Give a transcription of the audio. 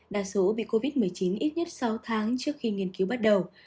đa số bị covid một mươi chín ít nhất sáu tháng trước khi nghiên cứu bắt đầu